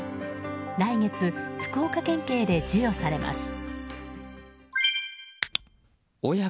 来月、福岡県警で授与されます。